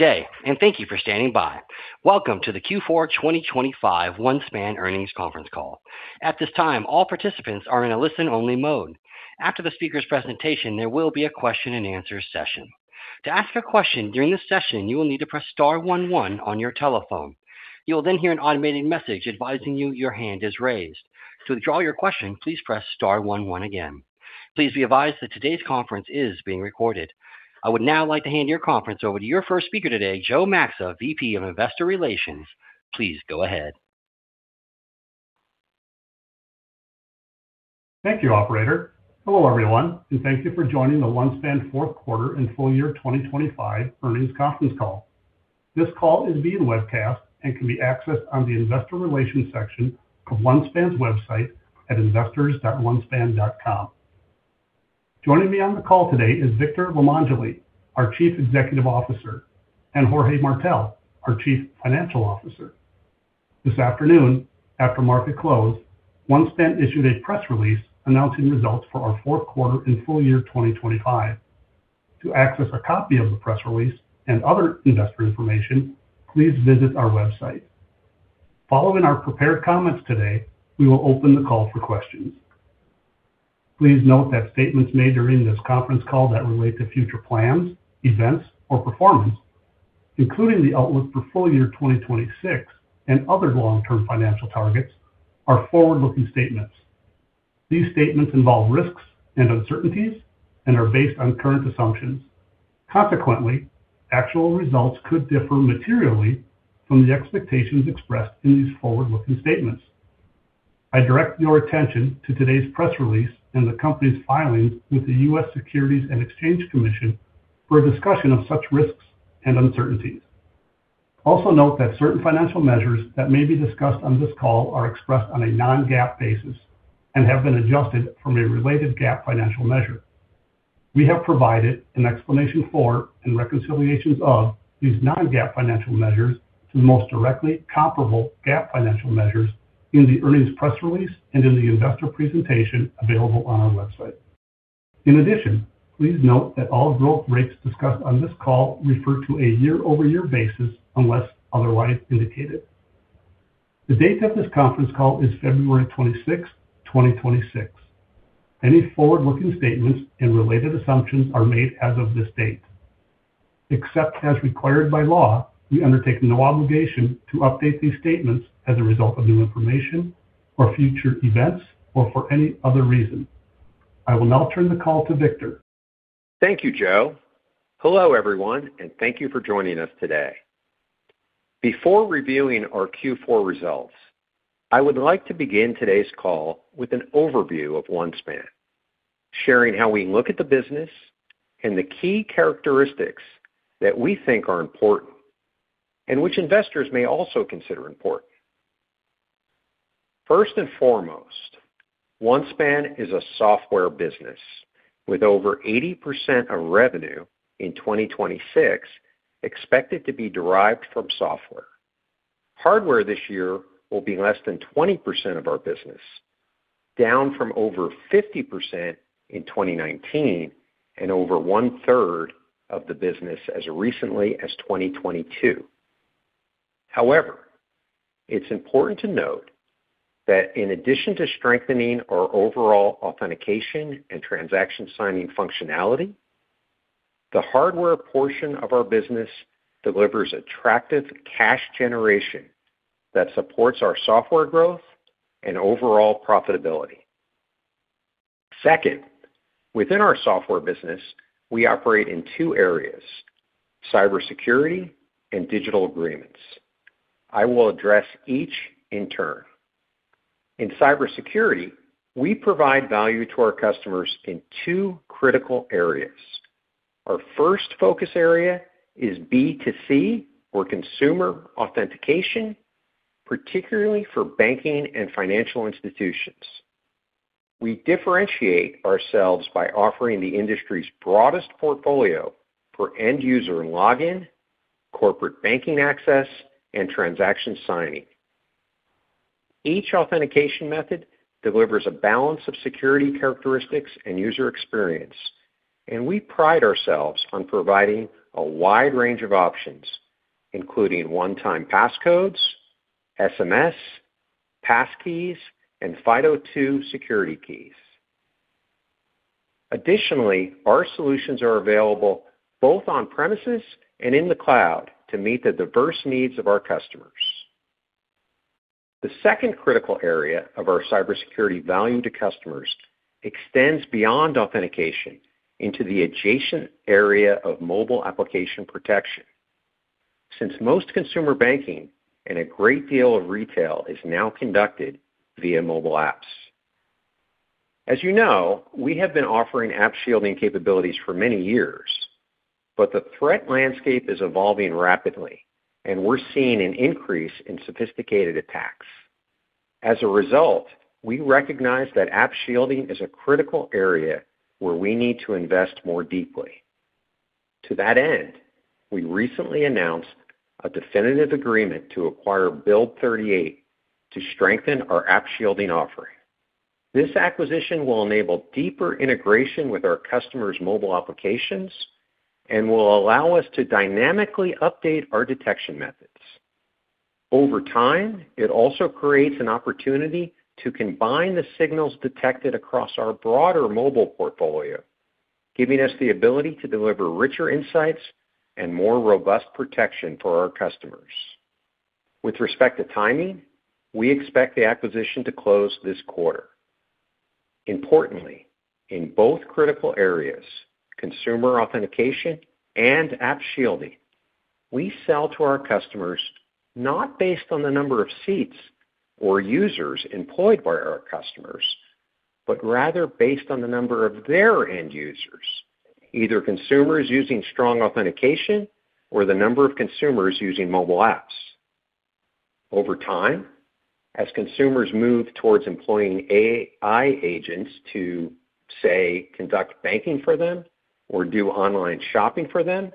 Good day. Thank you for standing by. Welcome to the Q4 2025 OneSpan Earnings Conference Call. At this time, all participants are in a listen-only mode. After the speaker's presentation, there will be a question-and-answer session. To ask a question during the session, you will need to press star one one on your telephone. You will hear an automated message advising you your hand is raised. To withdraw your question, please press star one one again. Please be advised that today's conference is being recorded. I would now like to hand your conference over to your first speaker today, Joe Maxa, VP of Investor Relations. Please go ahead. Thank you, operator. Hello, everyone, and thank you for joining the OneSpan fourth quarter and full year 2025 earnings conference call. This call is via webcast and can be accessed on the Investor Relations section of OneSpan's website at investors.onespan.com. Joining me on the call today is Victor Limongelli, our Chief Executive Officer, and Jorge Martell, our Chief Financial Officer. This afternoon, after market close, OneSpan issued a press release announcing results for our fourth quarter and full year 2025. To access a copy of the press release and other investor information, please visit our website. Following our prepared comments today, we will open the call for questions. Please note that statements made during this conference call that relate to future plans, events, or performance, including the outlook for full year 2026 and other long-term financial targets, are forward-looking statements. These statements involve risks and uncertainties and are based on current assumptions. Consequently, actual results could differ materially from the expectations expressed in these forward-looking statements. I direct your attention to today's press release and the company's filings with the US Securities and Exchange Commission for a discussion of such risks and uncertainties. Note that certain financial measures that may be discussed on this call are expressed on a non-GAAP basis and have been adjusted from a related GAAP financial measure. We have provided an explanation for and reconciliations of these non-GAAP financial measures to the most directly comparable GAAP financial measures in the earnings press release and in the investor presentation available on our website. Please note that all growth rates discussed on this call refer to a year-over-year basis unless otherwise indicated. The date of this conference call is February 26th, 2026. Any forward-looking statements and related assumptions are made as of this date. Except as required by law, we undertake no obligation to update these statements as a result of new information or future events or for any other reason. I will now turn the call to Victor. Thank you, Joe. Hello, everyone, and thank you for joining us today. Before reviewing our Q4 results, I would like to begin today's call with an overview of OneSpan, sharing how we look at the business and the key characteristics that we think are important, and which investors may also consider important. First and foremost, OneSpan is a software business with over 80% of revenue in 2026 expected to be derived from software. Hardware this year will be less than 20% of our business, down from over 50% in 2019 and over one-third of the business as recently as 2022. It's important to note that in addition to strengthening our overall authentication and transaction signing functionality, the hardware portion of our business delivers attractive cash generation that supports our software growth and overall profitability. Second, within our software business, we operate in two areas: cybersecurity and digital agreements. I will address each in turn. In cybersecurity, we provide value to our customers in two critical areas. Our first focus area is B2C, or consumer authentication, particularly for banking and financial institutions. We differentiate ourselves by offering the industry's broadest portfolio for end-user login, corporate banking access, and transaction signing. Each authentication method delivers a balance of security characteristics and user experience, and we pride ourselves on providing a wide range of options, including one-time passcodes, SMS, passkeys, and FIDO2 security keys. Additionally, our solutions are available both on-premises and in the cloud to meet the diverse needs of our customers. The second critical area of our cybersecurity value to customers extends beyond authentication into the adjacent area of mobile application protection, since most consumer banking and a great deal of retail is now conducted via mobile apps. As you know, we have been offering App Shielding capabilities for many years, but the threat landscape is evolving rapidly, and we're seeing an increase in sophisticated attacks. As a result, we recognize that App Shielding is a critical area where we need to invest more deeply. To that end, we recently announced a definitive agreement to acquire Build38 to strengthen our App Shielding offering. This acquisition will enable deeper integration with our customers' mobile applications and will allow us to dynamically update our detection methods. Over time, it also creates an opportunity to combine the signals detected across our broader mobile portfolio, giving us the ability to deliver richer insights and more robust protection for our customers. With respect to timing, we expect the acquisition to close this quarter. Importantly, in both critical areas, consumer authentication and App Shielding, we sell to our customers, not based on the number of seats or users employed by our customers, but rather based on the number of their end users, either consumers using strong authentication or the number of consumers using mobile apps. Over time, as consumers move towards employing AI agents to, say, conduct banking for them or do online shopping for them,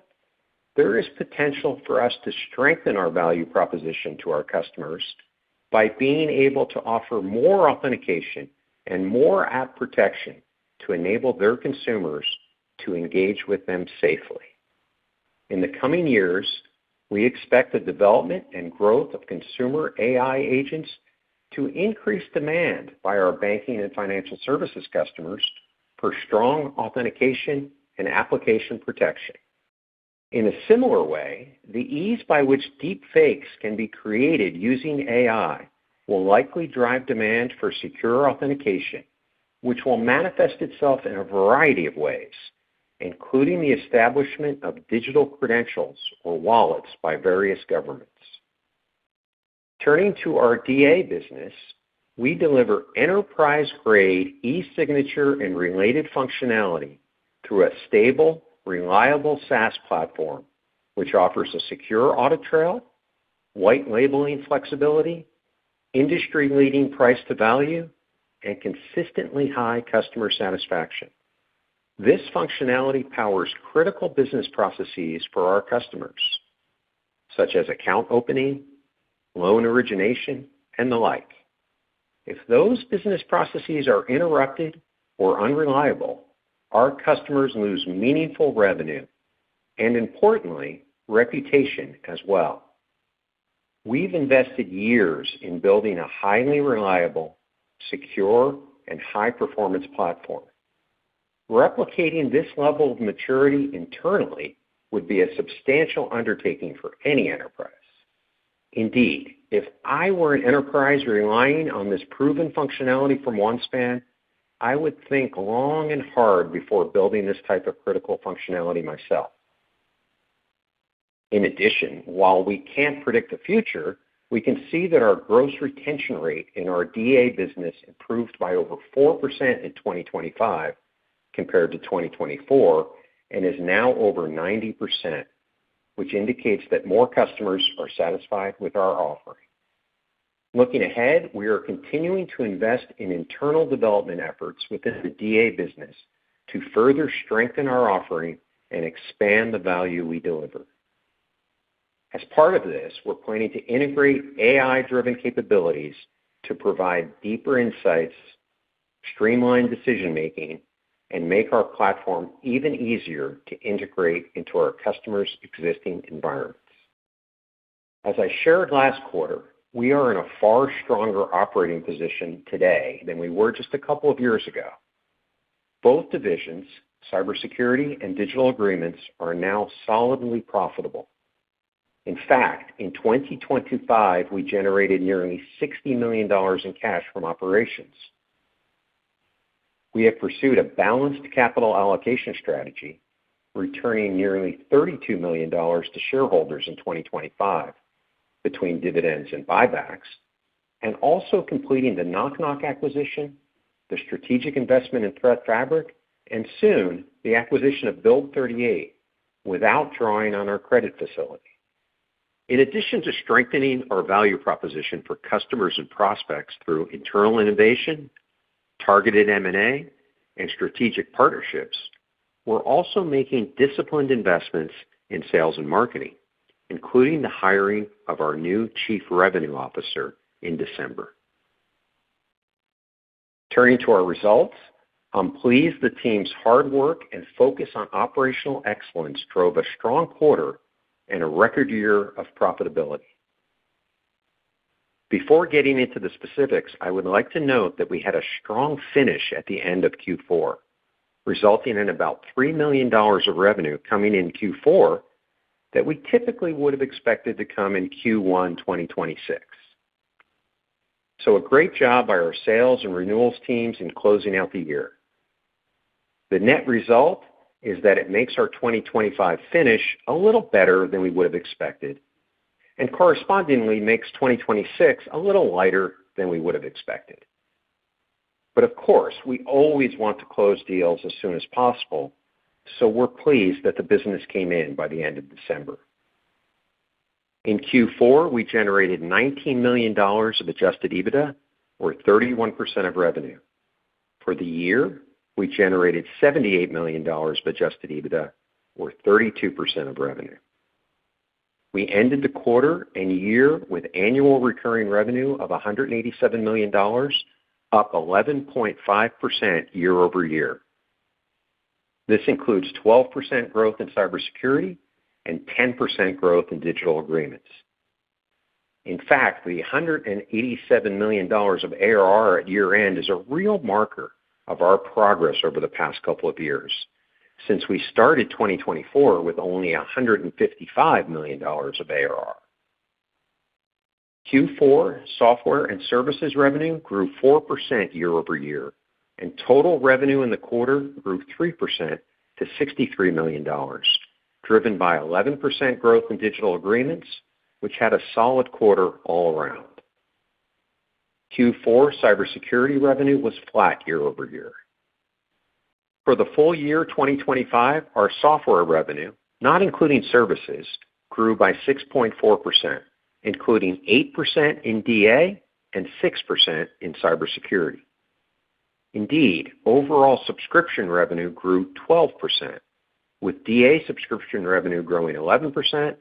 there is potential for us to strengthen our value proposition to our customers by being able to offer more authentication and more app protection to enable their consumers to engage with them safely. In the coming years, we expect the development and growth of consumer AI agents to increase demand by our banking and financial services customers for strong authentication and application protection. In a similar way, the ease by which deepfakes can be created using AI will likely drive demand for secure authentication, which will manifest itself in a variety of ways, including the establishment of digital credentials or wallets by various governments. Turning to our DA business, we deliver enterprise-grade e-signature and related functionality through a stable, reliable SaaS platform, which offers a secure audit trail, white labeling flexibility, industry-leading price to value, and consistently high customer satisfaction. This functionality powers critical business processes for our customers, such as account opening, loan origination, and the like. If those business processes are interrupted or unreliable, our customers lose meaningful revenue, and importantly, reputation as well. We've invested years in building a highly reliable, secure, and high-performance platform. Replicating this level of maturity internally would be a substantial undertaking for any enterprise. Indeed, if I were an enterprise relying on this proven functionality from OneSpan, I would think long and hard before building this type of critical functionality myself. While we can't predict the future, we can see that our gross retention rate in our DA business improved by over 4% in 2025 compared to 2024, and is now over 90%, which indicates that more customers are satisfied with our offering. Looking ahead, we are continuing to invest in internal development efforts within the DA business to further strengthen our offering and expand the value we deliver. As part of this, we're planning to integrate AI-driven capabilities to provide deeper insights, streamline decision-making, and make our platform even easier to integrate into our customers' existing environments. As I shared last quarter, we are in a far stronger operating position today than we were just a couple of years ago. Both divisions, cybersecurity and digital agreements, are now solidly profitable. In fact, in 2025, we generated nearly $60 million in cash from operations. We have pursued a balanced capital allocation strategy, returning nearly $32 million to shareholders in 2025 between dividends and buybacks, and also completing the Nok Nok acquisition, the strategic investment in ThreatFabric, and soon, the acquisition of Build38, without drawing on our credit facility. In addition to strengthening our value proposition for customers and prospects through internal innovation, targeted M&A, and strategic partnerships, we're also making disciplined investments in sales and marketing, including the hiring of our new Chief Revenue Officer in December. Turning to our results, I'm pleased the team's hard work and focus on operational excellence drove a strong quarter and a record year of profitability. Before getting into the specifics, I would like to note that we had a strong finish at the end of Q4, resulting in about $3 million of revenue coming in Q4, that we typically would have expected to come in Q1, 2026. A great job by our sales and renewals teams in closing out the year. The net result is that it makes our 2025 finish a little better than we would have expected, and correspondingly, makes 2026 a little lighter than we would have expected. Of course, we always want to close deals as soon as possible, so we're pleased that the business came in by the end of December. In Q4, we generated $19 million of adjusted EBITDA, or 31% of revenue. For the year, we generated $78 million of adjusted EBITDA, or 32% of revenue. We ended the quarter and year with annual recurring revenue of $187 million, up 11.5% year-over-year. This includes 12% growth in cybersecurity and 10% growth in digital agreements. In fact, the $187 million of ARR at year-end is a real marker of our progress over the past couple of years, since we started 2024 with only $155 million of ARR. Q4 software and services revenue grew 4% year-over-year, and total revenue in the quarter grew 3% to $63 million, driven by 11% growth in digital agreements, which had a solid quarter all around. Q4 cybersecurity revenue was flat year-over-year. For the full year 2025, our software revenue, not including services, grew by 6.4%, including 8% in DA and 6% in cybersecurity. Indeed, overall subscription revenue grew 12%, with DA subscription revenue growing 11%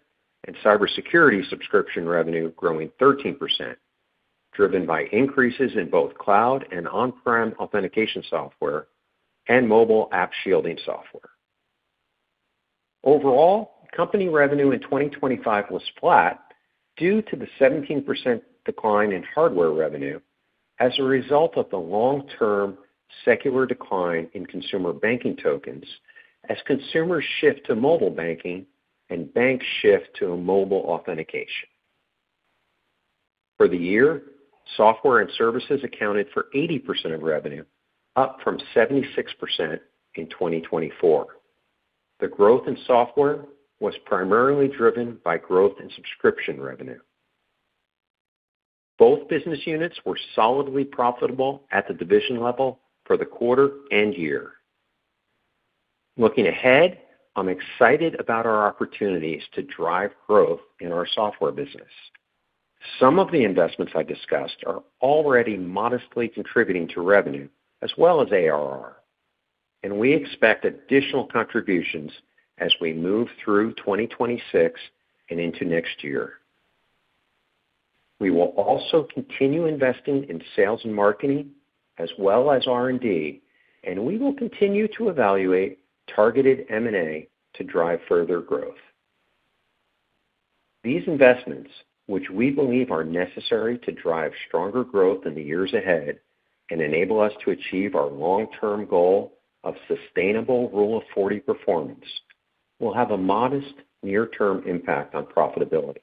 and cybersecurity subscription revenue growing 13%, driven by increases in both cloud and on-prem authentication software and mobile App Shielding software. Overall, company revenue in 2025 was flat due to the 17% decline in hardware revenue as a result of the long-term secular decline in consumer banking tokens, as consumers shift to mobile banking and banks shift to mobile authentication. For the year, software and services accounted for 80% of revenue, up from 76% in 2024. The growth in software was primarily driven by growth in subscription revenue. Both business units were solidly profitable at the division level for the quarter and year. Looking ahead, I'm excited about our opportunities to drive growth in our software business. Some of the investments I discussed are already modestly contributing to revenue as well as ARR. We expect additional contributions as we move through 2026 and into next year. We will also continue investing in sales and marketing, as well as R&D, and we will continue to evaluate targeted M&A to drive further growth. These investments, which we believe are necessary to drive stronger growth in the years ahead and enable us to achieve our long-term goal of sustainable Rule of 40 performance, will have a modest near-term impact on profitability.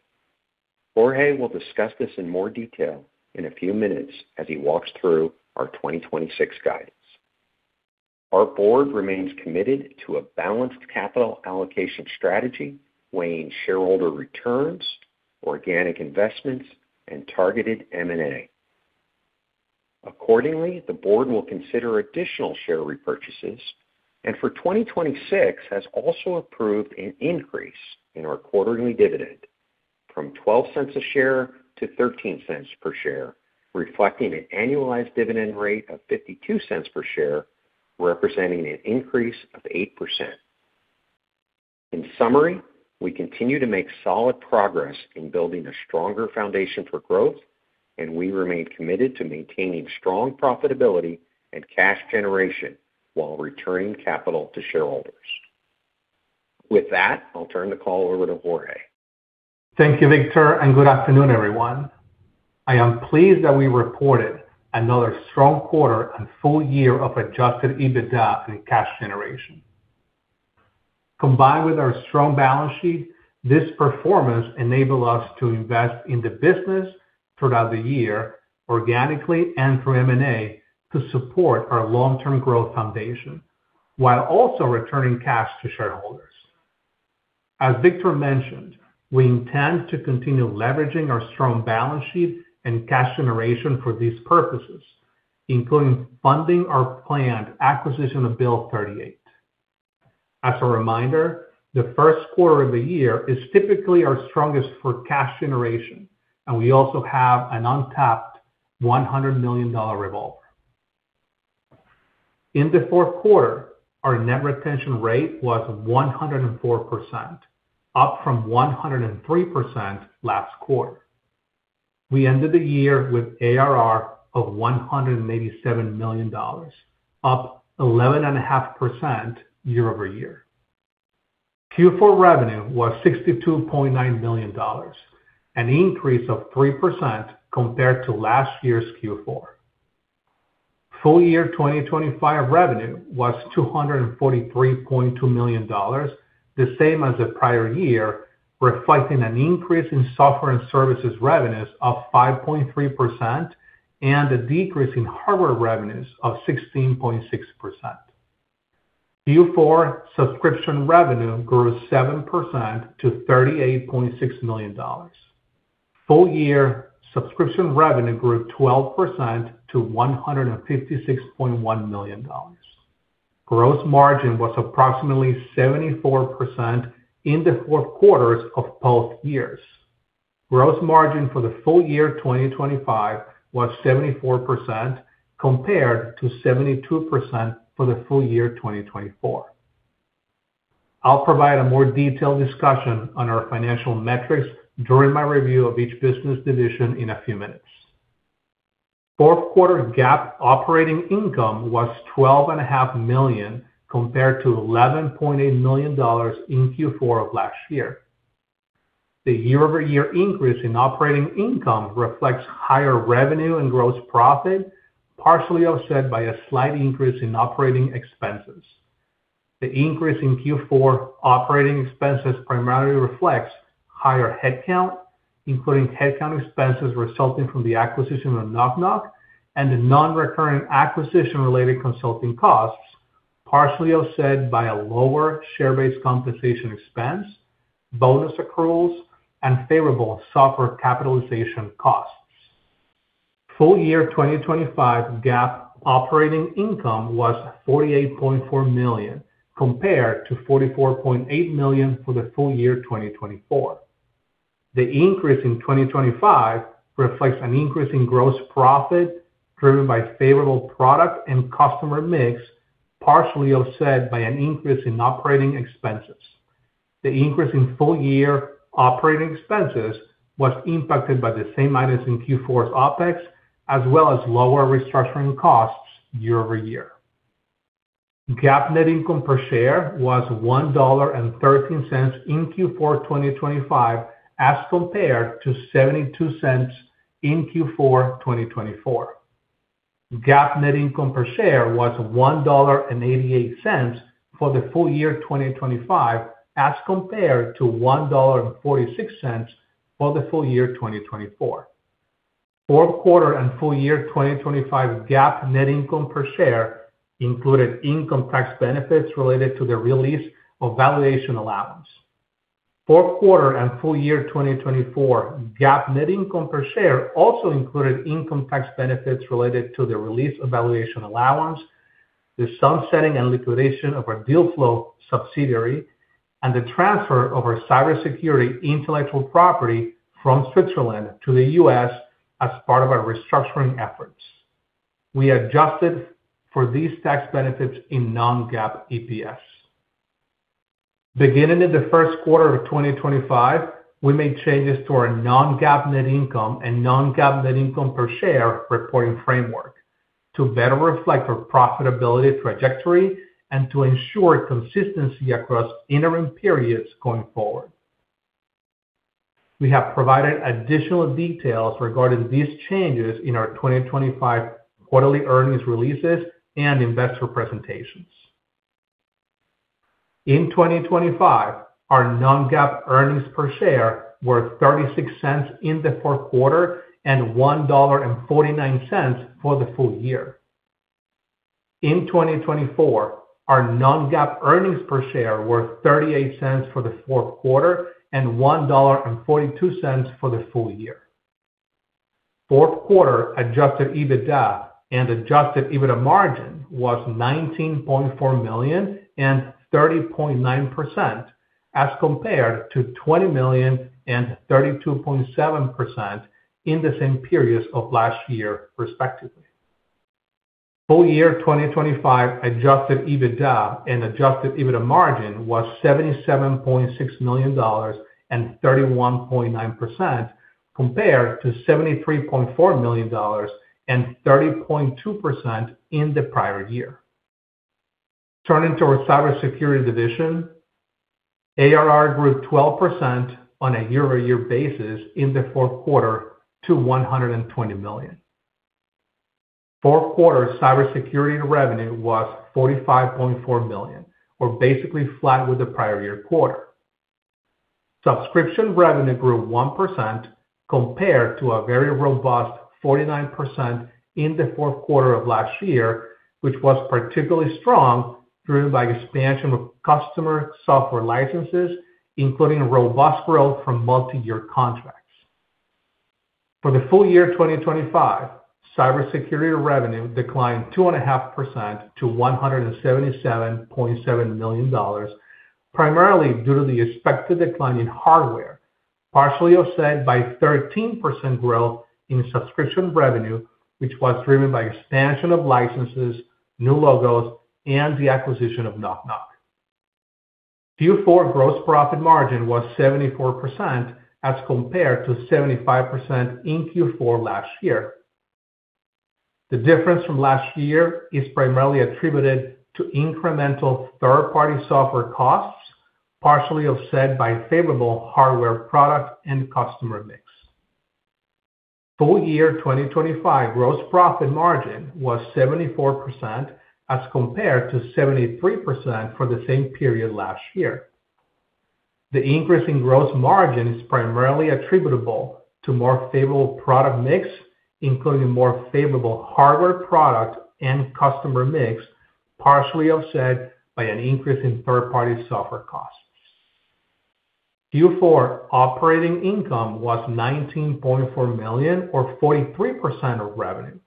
Jorge will discuss this in more detail in a few minutes as he walks through our 2026 guidance. Our board remains committed to a balanced capital allocation strategy, weighing shareholder returns, organic investments, and targeted M&A. Accordingly, the board will consider additional share repurchases and for 2026, has also approved an increase in our quarterly dividend from $0.12 a share to $0.13 per share, reflecting an annualized dividend rate of $0.52 per share, representing an increase of 8%. In summary, we continue to make solid progress in building a stronger foundation for growth, and we remain committed to maintaining strong profitability and cash generation while returning capital to shareholders. With that, I'll turn the call over to Jorge. Thank you, Victor, and good afternoon, everyone. I am pleased that we reported another strong quarter and full year of adjusted EBITDA and cash generation. Combined with our strong balance sheet, this performance enable us to invest in the business throughout the year, organically and through M&A, to support our long-term growth foundation, while also returning cash to shareholders. As Victor mentioned, we intend to continue leveraging our strong balance sheet and cash generation for these purposes, including funding our planned acquisition of Build38. As a reminder, the first quarter of the year is typically our strongest for cash generation, and we also have an untapped $100 million revolver. In the fourth quarter, our net retention rate was 104%, up from 103% last quarter. We ended the year with ARR of $187 million, up 11.5% year-over-year. Q4 revenue was $62.9 million, an increase of 3% compared to last year's Q4. Full year 2025 revenue was $243.2 million, the same as the prior year, reflecting an increase in software and services revenues of 5.3% and a decrease in hardware revenues of 16.6%. Q4 subscription revenue grew 7% to $38.6 million. Full year subscription revenue grew 12% to $156.1 million. Gross margin was approximately 74% in the fourth quarters of both years. Gross margin for the full year 2025 was 74%, compared to 72% for the full year 2024. I'll provide a more detailed discussion on our financial metrics during my review of each business division in a few minutes. Fourth quarter GAAP operating income was twelve and a half million, compared to $11.8 million in Q4 of last year. The year-over-year increase in operating income reflects higher revenue and gross profit, partially offset by a slight increase in operating expenses. The increase in Q4 operating expenses primarily reflects higher headcount, including headcount expenses resulting from the acquisition of Nok Nok Labs, and the non-recurring acquisition-related consulting costs, partially offset by a lower share-based compensation expense, bonus accruals, and favorable software capitalization costs. Full year 2025 GAAP operating income was $48.4 million, compared to $44.8 million for the full year 2024. The increase in 2025 reflects an increase in gross profit, driven by favorable product and customer mix, partially offset by an increase in operating expenses. The increase in full year operating expenses was impacted by the same items in Q4's OpEx, as well as lower restructuring costs year-over-year. GAAP net income per share was $1.13 in Q4 2025, as compared to $0.72 in Q4 2024. GAAP net income per share was $1.88 for the full year 2025, as compared to $1.46 for the full year 2024. Fourth quarter and full year 2025 GAAP net income per share included income tax benefits related to the release of valuation allowance. Fourth quarter and full year 2024 GAAP net income per share also included income tax benefits related to the release of valuation allowance, the sunsetting and liquidation of our deal flow subsidiary, and the transfer of our cybersecurity intellectual property from Switzerland to the US as part of our restructuring efforts. We adjusted for these tax benefits in non-GAAP EPS. Beginning in the first quarter of 2025, we made changes to our non-GAAP net income and non-GAAP net income per share reporting framework to better reflect our profitability trajectory and to ensure consistency across interim periods going forward. We have provided additional details regarding these changes in our 2025 quarterly earnings releases and investor presentations. In 2025, our non-GAAP earnings per share were $0.36 in the fourth quarter and $1.49 for the full year. In 2024, our non-GAAP earnings per share were $0.38 for the fourth quarter and $1.42 for the full year. Fourth quarter adjusted EBITDA and adjusted EBITDA margin was $19.4 million and 30.9%, as compared to $20 million and 32.7% in the same periods of last year, respectively. Full year 2025 adjusted EBITDA and adjusted EBITDA margin was $77.6 million and 31.9%, compared to $73.4 million and 30.2% in the prior year. Turning to our cybersecurity division, ARR grew 12% on a year-over-year basis in the fourth quarter to $120 million. Fourth quarter cybersecurity revenue was $45.4 million, or basically flat with the prior year quarter. Subscription revenue grew 1% compared to a very robust 49% in the fourth quarter of last year, which was particularly strong, driven by expansion of customer software licenses, including robust growth from multi-year contracts. For the full year 2025, cybersecurity revenue declined 2.5% to $177.7 million, primarily due to the expected decline in hardware, partially offset by 13% growth in subscription revenue, which was driven by expansion of licenses, new logos, and the acquisition of Nok Nok. Q4 gross profit margin was 74%, as compared to 75% in Q4 last year. The difference from last year is primarily attributed to incremental third-party software costs, partially offset by favorable hardware product and customer mix. Full year 2025 gross profit margin was 74%, as compared to 73% for the same period last year. The increase in gross margin is primarily attributable to more favorable product mix, including more favorable hardware product and customer mix, partially offset by an increase in third-party software costs. Q4 operating income was $19.4 million, or 43% of revenue,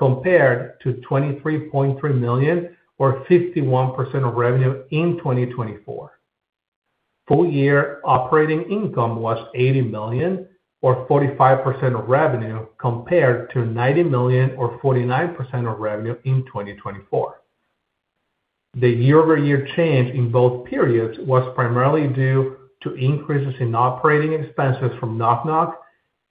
compared to $23.3 million, or 51% of revenue in 2024. Full year operating income was $80 million or 45% of revenue, compared to $90 million or 49% of revenue in 2024. The year-over-year change in both periods was primarily due to increases in operating expenses from Nok Nok,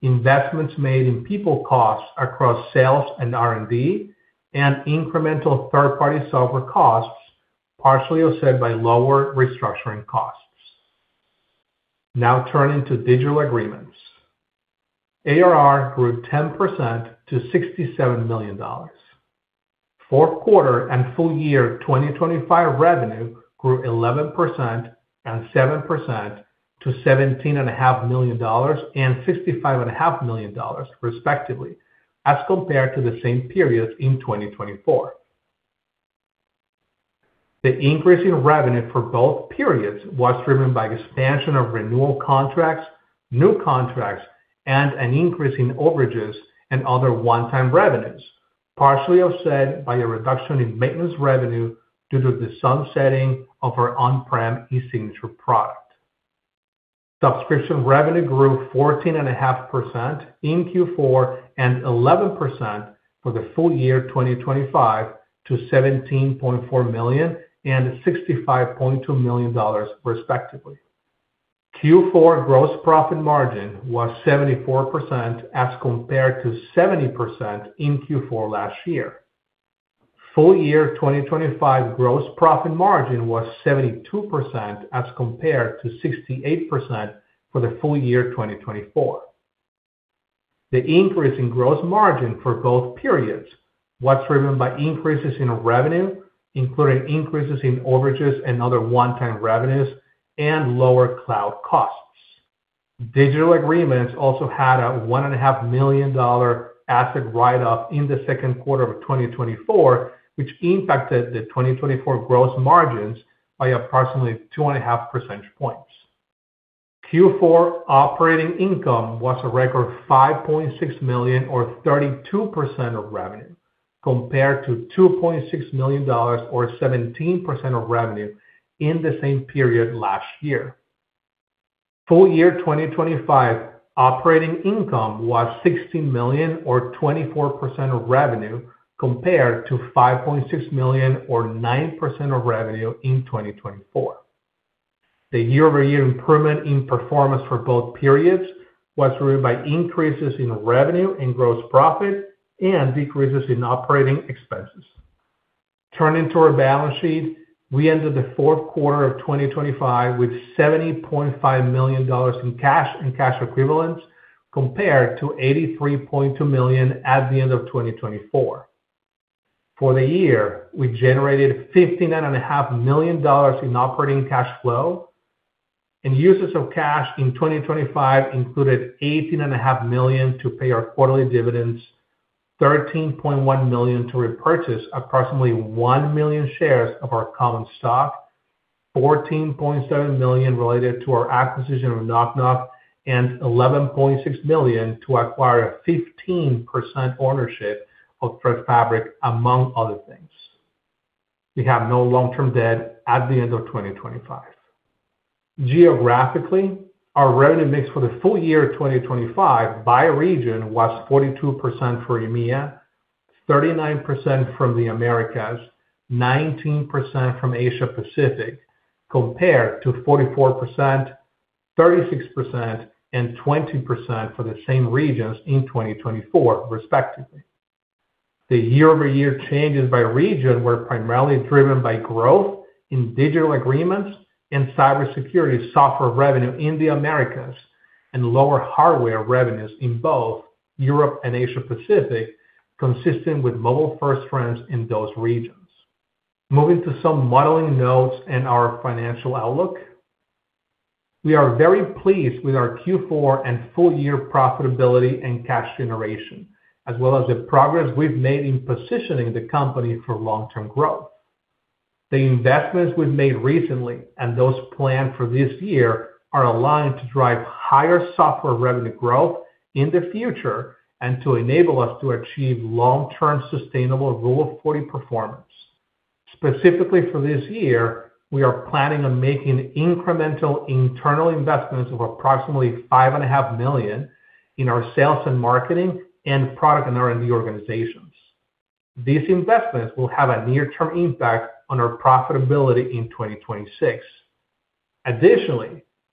investments made in people costs across sales and R&D, and incremental third-party software costs, partially offset by lower restructuring costs. Turning to digital agreements. ARR grew 10% to $67 million. Fourth quarter and full year 2025 revenue grew 11% and 7% to seventeen and a half million dollars and sixty-five and a half million dollars, respectively, as compared to the same periods in 2024. The increase in revenue for both periods was driven by expansion of renewal contracts, new contracts, and an increase in overages and other one-time revenues, partially offset by a reduction in maintenance revenue due to the sunsetting of our on-prem e-signature product. Subscription revenue grew 14.5% in Q4 and 11% for the full year 2025 to $17.4 million and $65.2 million, respectively. Q4 gross profit margin was 74% as compared to 70% in Q4 last year. Full year 2025 gross profit margin was 72% as compared to 68% for the full year 2024. The increase in gross margin for both periods was driven by increases in revenue, including increases in overages other one-time revenues and lower cloud costs. Digital agreements also had a one and a half million dollar asset write-off in the second quarter of 2024, which impacted the 2024 gross margins by approximately two and a half percentage points. Q4 operating income was a record $5.6 million, or 32% of revenue, compared to $2.6 million, or 17% of revenue, in the same period last year. Full year 2025 operating income was $16 million or 24% of revenue, compared to $5.6 million or 9% of revenue in 2024. The year-over-year improvement in performance for both periods was driven by increases in revenue and gross profit and decreases in operating expenses. Turning to our balance sheet, we ended the fourth quarter of 2025 with $70.5 million in cash and cash equivalents, compared to $83.2 million at the end of 2024. For the year, we generated $59.5 million in operating cash flow. Uses of cash in 2025 included $18.5 million to pay our quarterly dividends, $13.1 million to repurchase approximately one million shares of our common stock, $14.7 million related to our acquisition of Nok Nok, and $11.6 million to acquire a 15% ownership of ThreatFabric, among other things. We have no long-term debt at the end of 2025. Geographically, our revenue mix for the full year 2025 by region was 42% for EMEA, 39% from the Americas, 19% from Asia Pacific, compared to 44%, 36%, and 20% for the same regions in 2024, respectively. The year-over-year changes by region were primarily driven by growth in digital agreements and cybersecurity software revenue in the Americas, and lower hardware revenues in both Europe and Asia Pacific, consistent with mobile-first trends in those regions. Moving to some modeling notes and our financial outlook. We are very pleased with our Q4 and full year profitability and cash generation, as well as the progress we've made in positioning the company for long-term growth. The investments we've made recently and those planned for this year are aligned to drive higher software revenue growth in the future and to enable us to achieve long-term, sustainable Rule of Forty performance. Specifically for this year, we are planning on making incremental internal investments of approximately $five and a half million in our sales and marketing and product and R&D organizations. These investments will have a near-term impact on our profitability in 2026.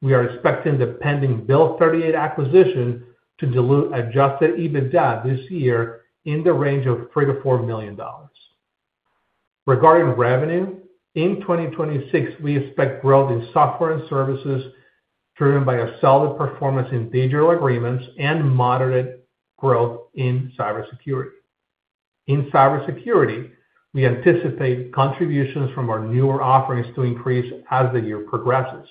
We are expecting the pending Build38 acquisition to dilute adjusted EBITDA this year in the range of $3 million-$4 million. Regarding revenue, in 2026, we expect growth in software and services driven by a solid performance in digital agreements and moderate growth in cybersecurity. In cybersecurity, we anticipate contributions from our newer offerings to increase as the year progresses.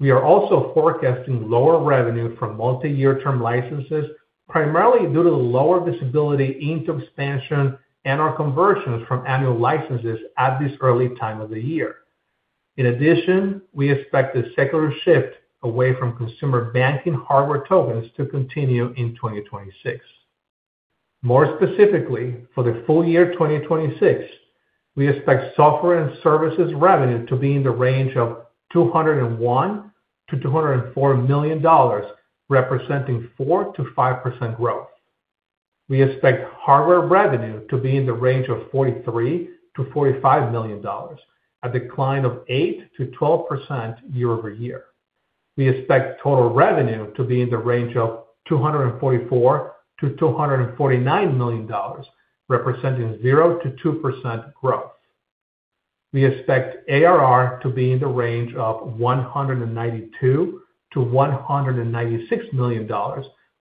We are also forecasting lower revenue from multiyear term licenses, primarily due to lower visibility, NRR expansion, and our conversions from annual licenses at this early time of the year. We expect a secular shift away from consumer banking hardware tokens to continue in 2026. More specifically, for the full year 2026, we expect software and services revenue to be in the range of $201 million-$204 million, representing 4%-5% growth. We expect hardware revenue to be in the range of $43 million-$45 million, a decline of 8%-12% year-over-year. We expect total revenue to be in the range of $244 million-$249 million, representing 0%-2% growth. We expect ARR to be in the range of $192 million-$196 million,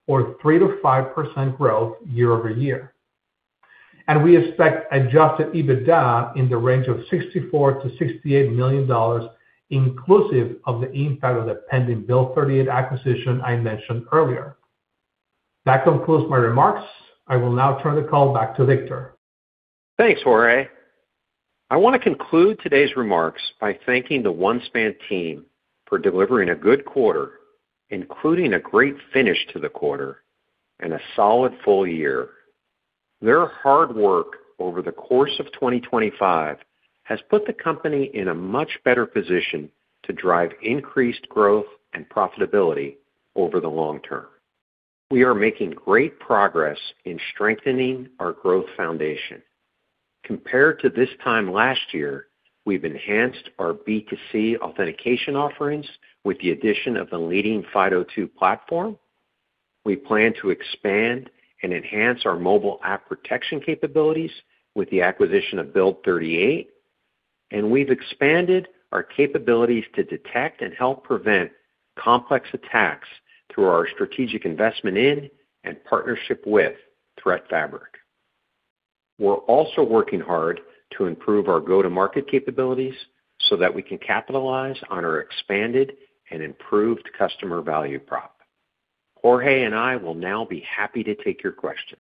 or 3%-5% growth year-over-year. We expect adjusted EBITDA in the range of $64 million-$68 million, inclusive of the impact of the pending Build38 acquisition I mentioned earlier. That concludes my remarks. I will now turn the call back to Victor. Thanks, Jorge. I want to conclude today's remarks by thanking the OneSpan team for delivering a good quarter, including a great finish to the quarter and a solid full year. Their hard work over the course of 2025 has put the company in a much better position to drive increased growth and profitability over the long term. We are making great progress in strengthening our growth foundation. Compared to this time last year, we've enhanced our B2C authentication offerings with the addition of the leading FIDO2 platform. We plan to expand and enhance our mobile app protection capabilities with the acquisition of Build38, and we've expanded our capabilities to detect and help prevent complex attacks through our strategic investment in and partnership with ThreatFabric. We're also working hard to improve our go-to-market capabilities so that we can capitalize on our expanded and improved customer value prop. Jorge and I will now be happy to take your questions.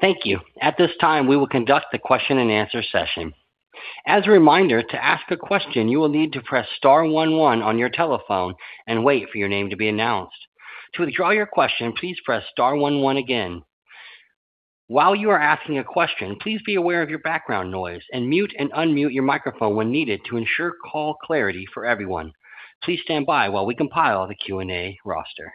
Thank you. At this time, we will conduct the question-and-answer session. As a reminder, to ask a question, you will need to press star one one on your telephone and wait for your name to be announced. To withdraw your question, please press star one one again. While you are asking a question, please be aware of your background noise and mute and unmute your microphone when needed to ensure call clarity for everyone. Please stand by while we compile the Q&A roster.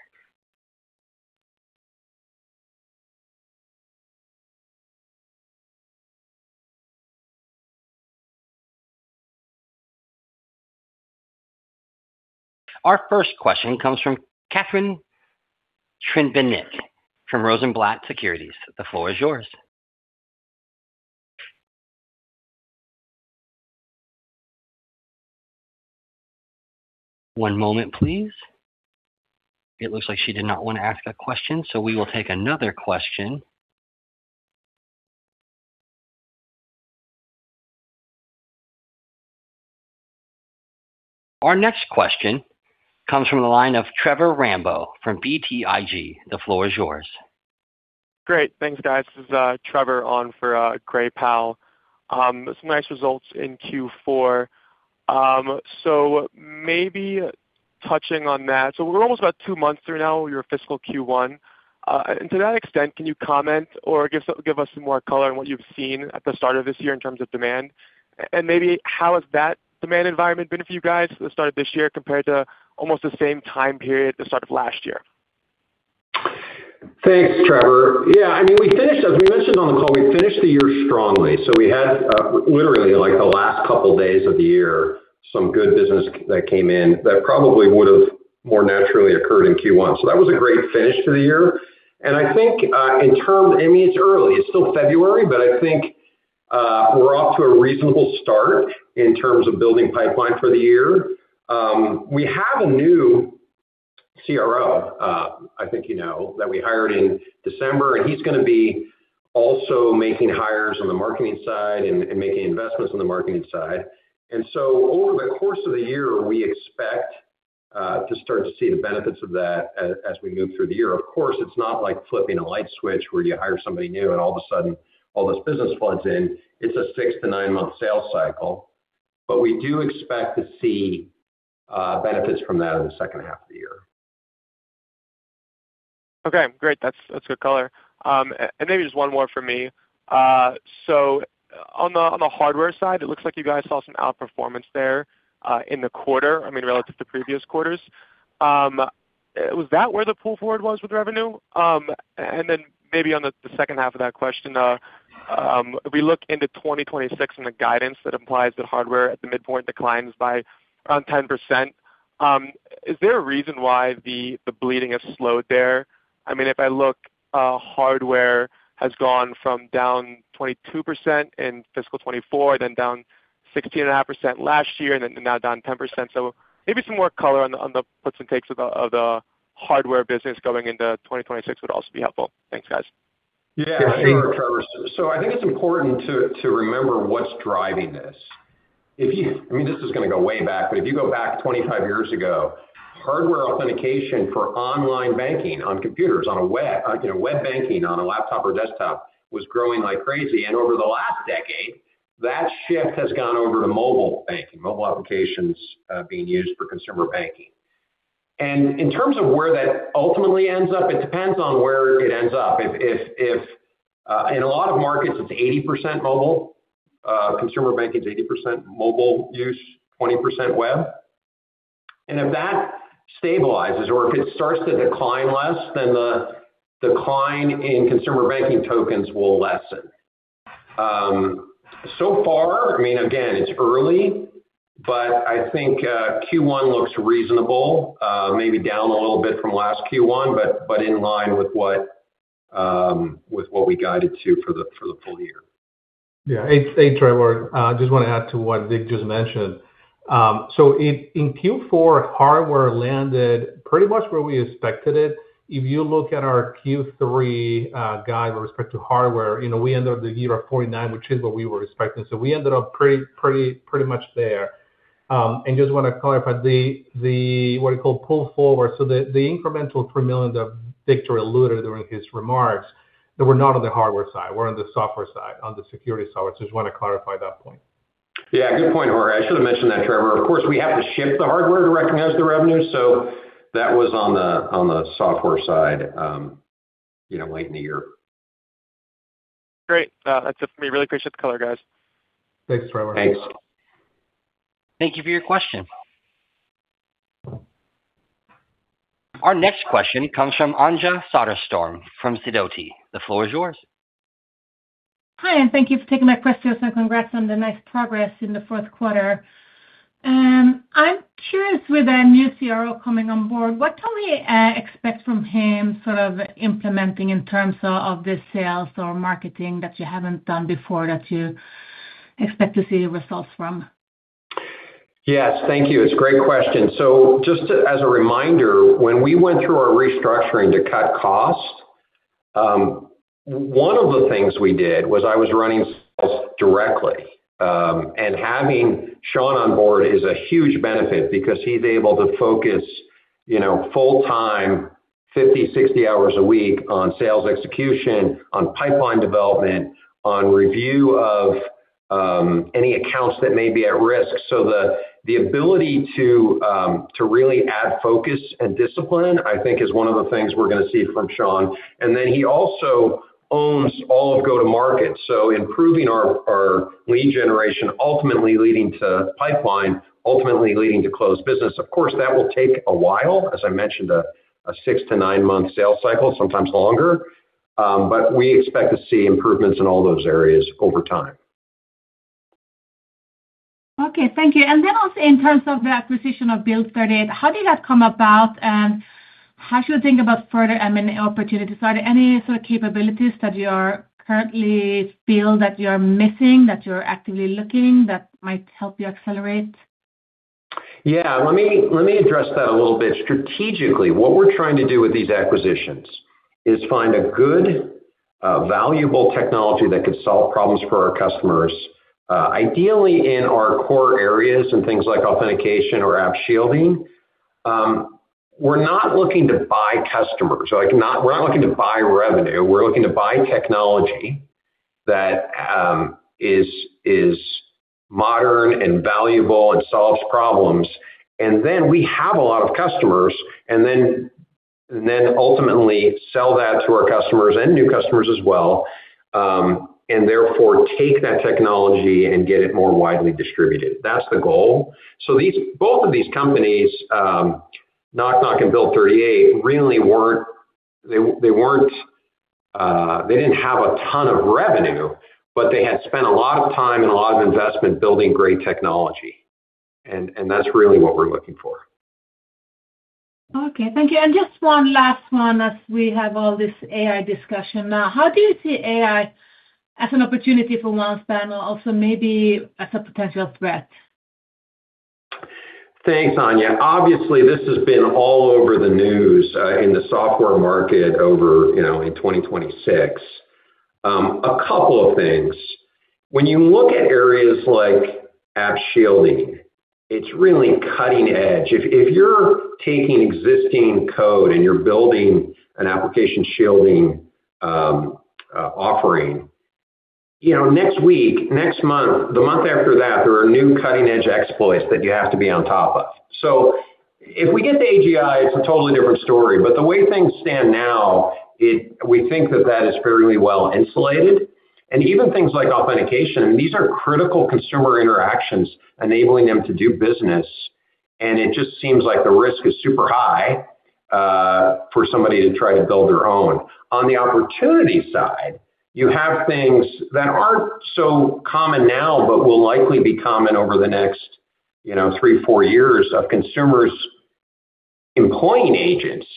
Our first question comes from Catharine Trebnick from Rosenblatt Securities. The floor is yours. One moment, please. It looks like she did not want to ask a question, so we will take another question. Our next question comes from the line of Trevor Rambo from BTIG. The floor is yours. Great. Thanks, guys. This is Trevor on for Gray Powell. Some nice results in Q4. Maybe touching on that. We're almost about two months through now, your fiscal Q1. To that extent, can you comment or give us some more color on what you've seen at the start of this year in terms of demand? Maybe how has that demand environment been for you guys at the start of this year compared to almost the same time period at the start of last year? Thanks, Trevor. I mean, we finished, as we mentioned on the call, we finished the year strongly. We had literally, like the last couple of days of the year, some good business that came in that probably would have more naturally occurred in Q1. That was a great finish to the year. I think, I mean, it's early, it's still February, I think we're off to a reasonable start in terms of building pipeline for the year. We have a new CRO, I think you know, that we hired in December. He's going to be also making hires on the marketing side and making investments on the marketing side. Over the course of the year, we expect to start to see the benefits of that as we move through the year. Of course, it's not like flipping a light switch where you hire somebody new and all of a sudden all this business floods in. It's a six- to nine-month sales cycle. We do expect to see benefits from that in the second half of the year. Okay, great. That's good color. Maybe just one more for me. On the hardware side, it looks like you guys saw some outperformance there in the quarter, I mean, relative to previous quarters. Was that where the pull forward was with revenue? Then maybe on the second half of that question, if we look into 2026 and the guidance, that implies that hardware at the midpoint declines by around 10%. Is there a reason why the bleeding has slowed there? I mean, if I look, hardware has gone from down 22% in fiscal 2024, then down 16.5% last year, and then now down 10%. Maybe some more color on the, on the puts and takes of the, of the hardware business going into 2026 would also be helpful. Thanks, guys. Sure, Trevor. I think it's important to remember what's driving this. I mean, this is going to go way back, but if you go back 25 years ago, hardware authentication for online banking on computers, on a web, you know, web banking on a laptop or desktop was growing like crazy. Over the last decade, that shift has gone over to mobile banking, mobile applications, being used for consumer banking. In terms of where that ultimately ends up, it depends on where it ends up. If, in a lot of markets, it's 80% mobile, consumer banking is 80% mobile use, 20% web. If that stabilizes or if it starts to decline less, then the decline in consumer banking tokens will lessen. So far, I mean, again, it's early, but I think, Q1 looks reasonable, maybe down a little bit from last Q1, but in line with what, with what we guided to for the, for the full year. Yeah. Hey, Trevor. I just want to add to what Vic just mentioned. In Q4, hardware landed pretty much where we expected it. If you look at our Q3 guide with respect to hardware, you know, we ended up the year at 49, which is what we were expecting. We ended up pretty much there. Just want to clarify the, what do you call, pull forward. The incremental $3 million that Victor alluded during his remarks, they were not on the hardware side, were on the software side, on the security side. Just want to clarify that point. Yeah, good point, Jorge. I should have mentioned that, Trevor. Of course, we have to ship the hardware to recognize the revenue, so that was on the software side, you know, late in the year. Great. That's it for me. Really appreciate the color, guys. Thanks, Trevor. Thanks. Thank you for your question. Our next question comes from Anja Soderstrom from Sidoti. The floor is yours. Hi, and thank you for taking my questions, and congrats on the nice progress in the fourth quarter. I'm curious, with a new CRO coming on board, what can we expect from him sort of implementing in terms of the sales or marketing that you haven't done before, that you expect to see results from? Yes, thank you. It's a great question. Just as a reminder, when we went through our restructuring to cut costs, one of the things we did was I was running sales directly. Having Sean on board is a huge benefit because he's able to focus, you know, full-time, 50, 60 hours a week on sales execution, on pipeline development, on review of any accounts that may be at risk. The ability to really add focus and discipline, I think, is one of the things we're gonna see from Sean. He also owns all of go-to-market, so improving our lead generation, ultimately leading to pipeline, ultimately leading to closed business. Of course, that will take a while. As I mentioned, a six- to nine-month sales cycle, sometimes longer. We expect to see improvements in all those areas over time. Okay, thank you. Also in terms of the acquisition of Build38, how did that come about, and how should we think about further M&A opportunities? Are there any sort of capabilities that you are currently feel that you're missing, that you're actively looking, that might help you accelerate? Let me address that a little bit. Strategically, what we're trying to do with these acquisitions is find a good, valuable technology that could solve problems for our customers, ideally in our core areas and things like authentication or App Shielding. We're not looking to buy customers, like, we're not looking to buy revenue, we're looking to buy technology that is modern and valuable and solves problems. We have a lot of customers, and then ultimately sell that to our customers and new customers as well, and therefore take that technology and get it more widely distributed. That's the goal. Both of these companies, Nok Nok and Build38, really weren't... They didn't have a ton of revenue, but they had spent a lot of time and a lot of investment building great technology. That's really what we're looking for. Okay, thank you. Just one last one as we have all this AI discussion now. How do you see AI as an opportunity for OneSpan, and also maybe as a potential threat? Thanks, Anja. Obviously, this has been all over the news in the software market over, you know, in 2026. A couple of things. When you look at areas like App Shielding, it's really cutting edge. If you're taking existing code and you're building an application shielding offering, you know, next week, next month, the month after that, there are new cutting-edge exploits that you have to be on top of. If we get to AGI, it's a totally different story, but the way things stand now, we think that that is fairly well insulated. Even things like authentication, these are critical consumer interactions enabling them to do business, and it just seems like the risk is super high for somebody to try to build their own. On the opportunity side, you have things that aren't so common now, but will likely be common over the next, you know, three, four years, of consumers employing agents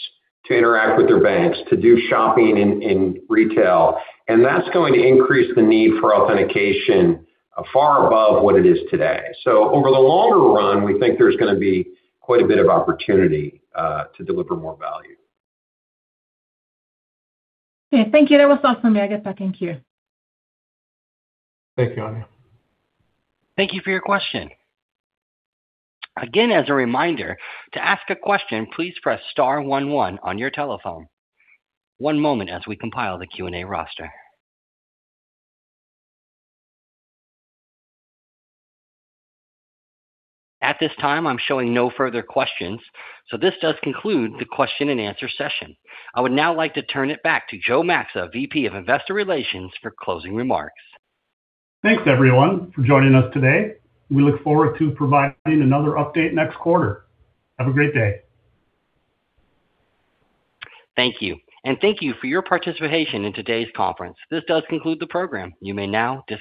to interact with their banks, to do shopping in retail, and that's going to increase the need for authentication far above what it is today. Over the longer run, we think there's gonna be quite a bit of opportunity to deliver more value. Okay, thank you. That was all for me. I get back in queue. Thank you, Anja. Thank you for your question. Again, as a reminder, to ask a question, please press star one one on your telephone. One moment as we compile the Q&A roster. At this time, I'm showing no further questions. This does conclude the question-and-answer session. I would now like to turn it back to Joe Maxa, VP of Investor Relations, for closing remarks. Thanks, everyone, for joining us today. We look forward to providing another update next quarter. Have a great day. Thank you. Thank you for your participation in today's conference. This does conclude the program. You may now disconnect.